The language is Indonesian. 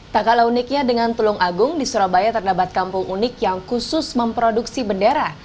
tak kalah uniknya dengan tulung agung di surabaya terdapat kampung unik yang khusus memproduksi bendera